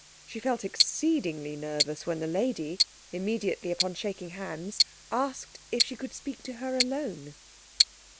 She felt exceedingly nervous when the lady, immediately upon shaking hands, asked if she could speak to her alone.